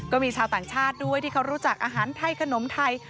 ก็มีชาวต่างชาติด้วยที่เขารู้จักอาหารไทยขนมไทย